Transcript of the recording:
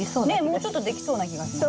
もうちょっとできそうな気がします。